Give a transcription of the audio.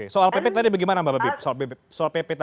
soal pp tadi bagaimana mbak babi